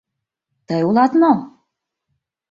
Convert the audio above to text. Тый улат мо?